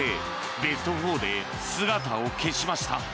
ベスト４で姿を消しました。